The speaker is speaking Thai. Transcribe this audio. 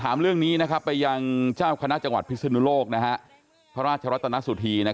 ถามเรื่องนี้ไปยังเจ้าคณะจังหวัดพิศนุโลกพระราชรัตนสุธี